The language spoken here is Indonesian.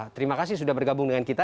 terima kasih sudah bergabung dengan kita